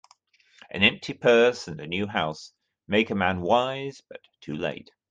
An empty purse, and a new house, make a man wise, but too late.